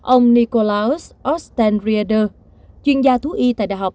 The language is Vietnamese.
ông nikolaus ostenrieder chuyên gia thú y tại đht